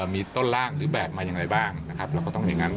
มีต้นล่างหรือแบบมาอย่างไรบ้างนะครับเราก็ต้องอย่างนั้น